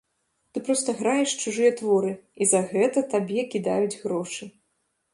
Ты проста граеш чужыя творы, і за гэта табе кідаюць грошы.